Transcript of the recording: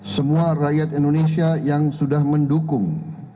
semua rakyat indonesia yang sudah mendukung